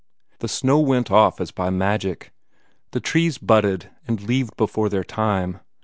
The snow went off as by magic. The trees budded and leaved before their time.